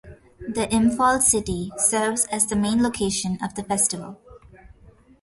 The Imphal city serves as the main location of the festival.